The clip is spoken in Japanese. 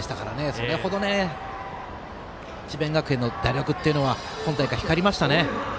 それほど、智弁学園の打力っていうのが、今大会光りましたね。